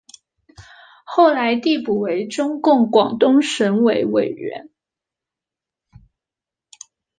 后来递补为中共广东省委委员。